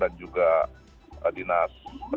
dan juga dinas pare kraft dan juga